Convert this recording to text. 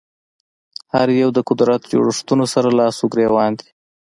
هر یو د قدرت جوړښتونو سره لاس ګرېوان دي